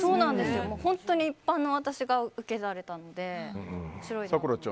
本当に一般の私が受けられたので面白いなと。